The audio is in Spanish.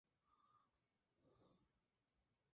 Una vez destruidos, se pierden inexorablemente.